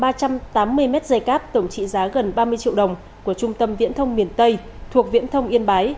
lấy trộm ba trăm tám mươi mét dày cáp tổng trị giá gần ba mươi triệu đồng của trung tâm viễn thông miền tây thuộc viễn thông yên bái